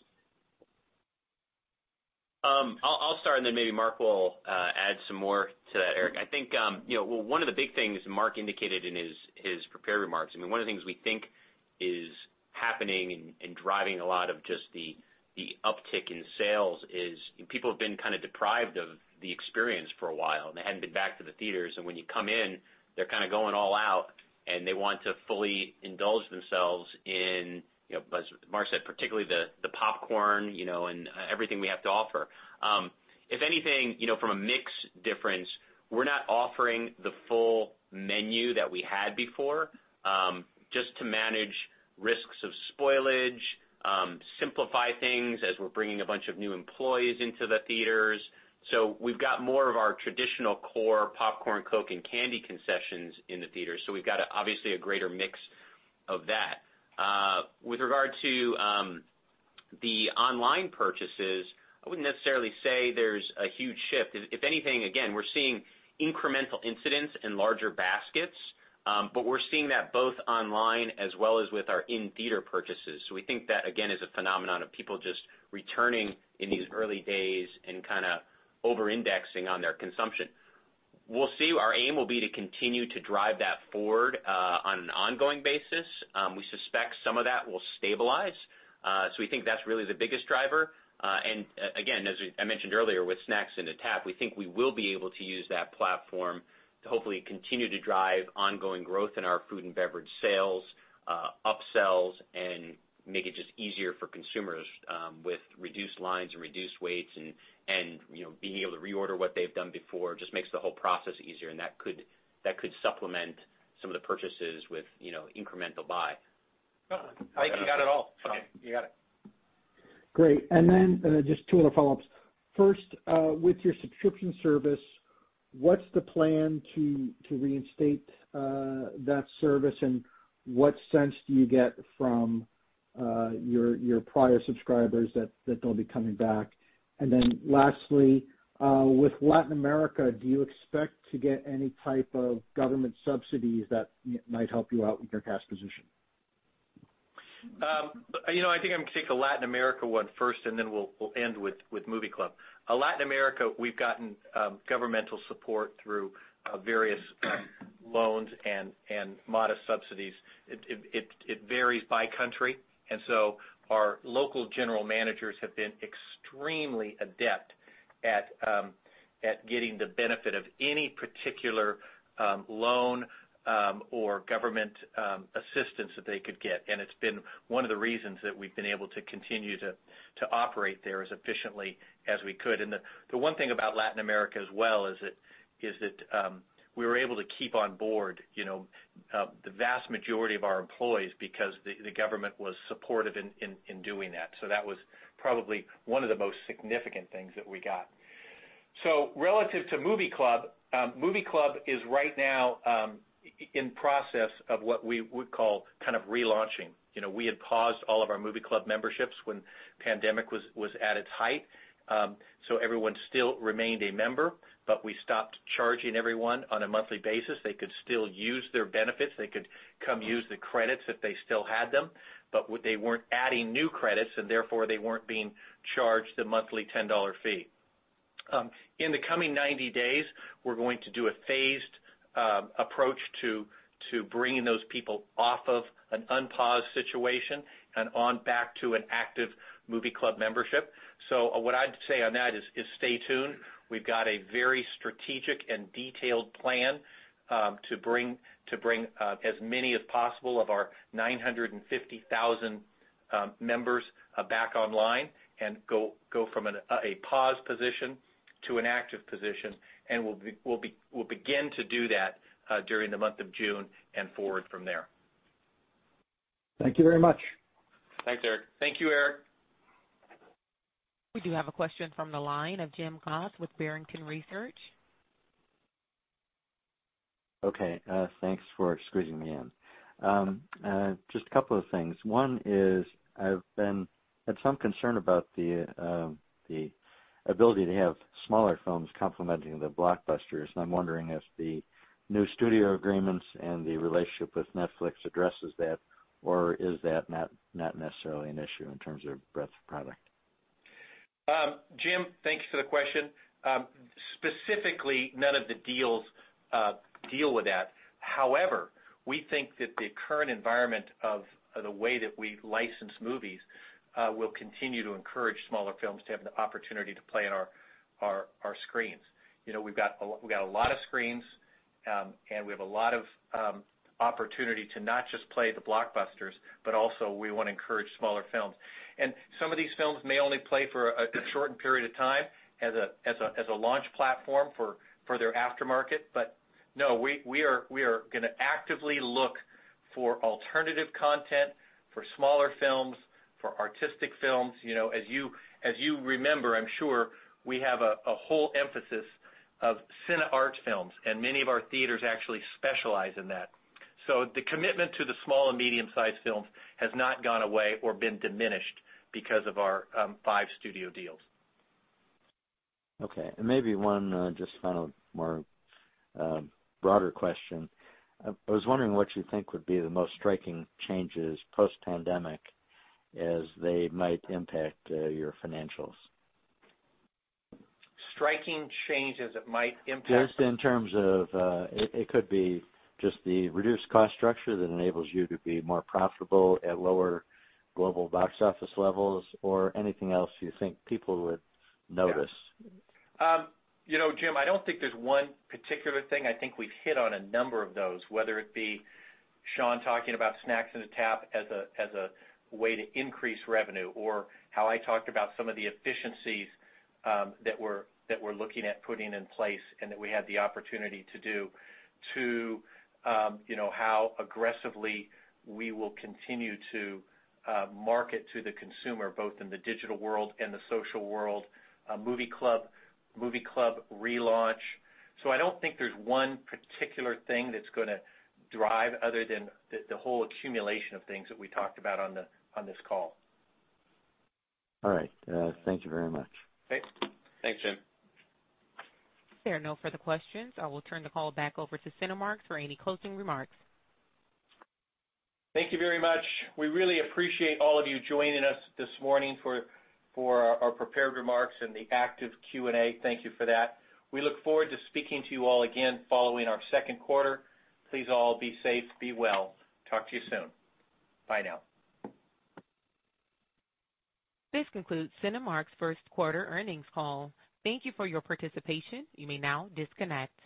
I'll start and then maybe Mark will add some more to Eric. I think one of the big things Mark indicated in his prepared remarks, one of the things we think is happening and driving a lot of just the uptick in sales is people have been kind of deprived of the experience for a while. They haven't been back to the theaters, when you come in, they're kind of going all out, they want to fully indulge themselves in, as Mark said, particularly the popcorn, and everything we have to offer. If anything, from a mix difference, we're not offering the full menu that we had before, just to manage risks of spoilage, simplify things as we're bringing a bunch of new employees into the theaters. We've got more of our traditional core popcorn, coke, and candy concessions in the theater. We've got, obviously, a greater mix of that. With regard to the online purchases, I wouldn't necessarily say there's a huge shift. If anything, again, we're seeing incremental incidents and larger baskets. We're seeing that both online as well as with our in-theater purchases. We think that, again, is a phenomenon of people just returning in these early days and kind of over-indexing on their consumption. We'll see. Our aim will be to continue to drive that forward, on an ongoing basis. We suspect some of that will stabilize. We think that's really the biggest driver. Again, as I mentioned earlier, with Snacks in a Tap, we think we will be able to use that platform to hopefully continue to drive ongoing growth in our food and beverage sales, upsells, and make it just easier for consumers, with reduced lines and reduced waits and being able to reorder what they've done before just makes the whole process easier, and that could supplement some of the purchases with incremental buy. Got it. I think you got it all. Okay. Great. Just two other follow-ups. First, with your subscription service, what's the plan to reinstate that service, and what sense do you get from your prior subscribers that they'll be coming back? Lastly, with Latin America, do you expect to get any type of government subsidies that might help you out with your cash position? I think I'm going to take the Latin America one first, then we'll end with Movie Club. Latin America, we've gotten governmental support through various loans and modest subsidies. It varies by country, our local general managers have been extremely adept at getting the benefit of any particular loan or government assistance that they could get. It's been one of the reasons that we've been able to continue to operate there as efficiently as we could. The one thing about Latin America as well is that we were able to keep on board the vast majority of our employees because the government was supportive in doing that. That was probably one of the most significant things that we got. Relative to Movie Club, Movie Club is right now in process of what we would call kind of relaunching. We had paused all of our Movie Club memberships when pandemic was at its height. Everyone still remained a member, but we stopped charging everyone on a monthly basis. They could still use their benefits. They could come use the credits if they still had them. They weren't adding new credits, and therefore they weren't being charged a monthly $10 fee. In the coming 90 days, we're going to do a phased approach to bringing those people off of an unpaused situation and on back to an active Movie Club membership. What I'd say on that is stay tuned. We've got a very strategic and detailed plan to bring as many as possible of our 950,000 members back online and go from a paused position to an active position. We'll begin to do that during the month of June and forward from there. Thank you very much. Thank you, Eric. We do have a question from the line of Jim Goss with Barrington Research. Okay. Thanks for squeezing me in. Just a couple of things. One is, I've had some concern about the ability to have smaller films complementing the blockbusters, I'm wondering if the new studio agreements and the relationship with Netflix addresses that, or is that not necessarily an issue in terms of breadth of product? Jim, thanks for the question. Specifically, none of the deals deal with that. We think that the current environment of the way that we license movies will continue to encourage smaller films to have the opportunity to play on our screens. We've got a lot of screens, and we have a lot of opportunity to not just play the blockbusters, but also we want to encourage smaller films. Some of these films may only play for a short period of time as a launch platform for their aftermarket. No, we are going to actively look for alternative content, for smaller films, for artistic films. As you remember, I'm sure, we have a whole emphasis of CineArts films, and many of our theaters actually specialize in that. The commitment to the small and medium-sized films has not gone away or been diminished because of our five studio deals. Okay, maybe one just final, more broader question. I was wondering what you think would be the most striking changes post-pandemic as they might impact your financials. Striking changes that might impact? Just in terms of, it could be just the reduced cost structure that enables you to be more profitable at lower global box office levels or anything else you think people would notice. Jim, I don't think there's one particular thing. I think we've hit on a number of those, whether it be Sean talking about Snacks in a Tap as a way to increase revenue or how I talked about some of the efficiencies that we're looking at putting in place and that we had the opportunity to do to how aggressively we will continue to market to the consumer, both in the digital world and the social world, Movie Club relaunch. I don't think there's one particular thing that's going to drive other than the whole accumulation of things that we talked about on this call. All right. Thank you very much. Thanks, Jim. There are no further questions. I will turn the call back over to Cinemark for any closing remarks. Thank you very much. We really appreciate all of you joining us this morning for our prepared remarks and the active Q&A. Thank you for that. We look forward to speaking to you all again following our second quarter. Please all be safe, be well. Talk to you soon. Bye now. This concludes Cinemark's first quarter earnings call. Thank you for your participation. You may now disconnect.